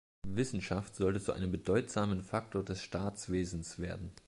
Wissenschaft sollte zu einem bedeutsamen Faktor des Staatswesens werden.